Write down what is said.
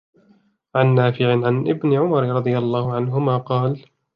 عَنْ نَافِعٍ عَنْ ابْنِ عُمَرَ رَضِيَ اللَّهُ عَنْهُمَا قَالَ